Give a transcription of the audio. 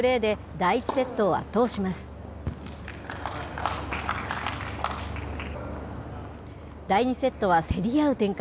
第２セットは競り合う展開。